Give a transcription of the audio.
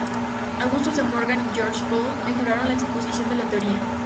Augustus De Morgan y George Boole mejoraron la exposición de la teoría.